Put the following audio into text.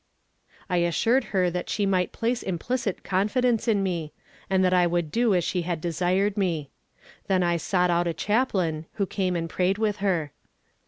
I assured her that she might place implicit confidence in me, and that I would do as she had desired me. Then I sought out a chaplain, who came and prayed with her.